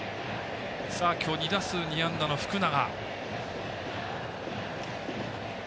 今日、２打数２安打の福永。